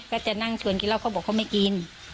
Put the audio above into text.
ก็จะนั่งชวนกินเหล้าเขาบอกเขาไม่กิน